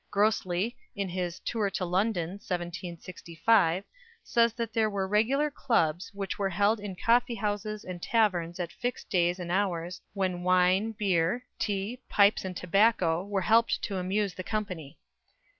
Grosley, in his "Tour to London," 1765, says that there were regular clubs, which were held in coffee houses and taverns at fixed days and hours, when wine, beer, tea, pipes and tobacco helped to amuse the company.